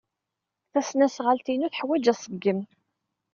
Tasnasɣalt-inu teḥwaj aṣeggem.